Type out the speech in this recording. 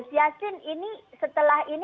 setelah ini setelah ini